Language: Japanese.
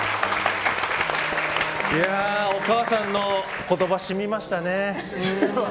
お母さんの言葉しみましたね。